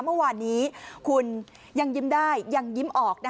เมื่อวานนี้คุณยังยิ้มได้ยังยิ้มออก